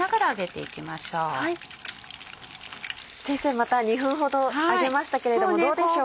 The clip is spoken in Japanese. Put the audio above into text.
先生また２分ほど揚げましたけれどもどうでしょうか？